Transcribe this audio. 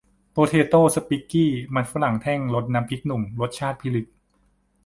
โปเทโต้ สปิคกี้ มันฝรั่งแท่ง รสน้ำพริกหนุ่ม รสชาติพิลึก